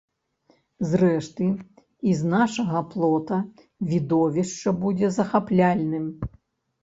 Зрэшты, і з нашага плота відовішча будзе захапляльным.